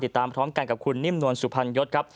ติดตามพร้อมกันกับคุณนิ่มนวลสุพรรณยศครับ